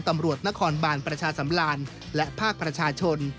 ตำรวจนครบานประชาสำราญและภาคประชาชน